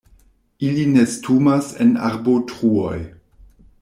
Ili nestumas en arbotruoj.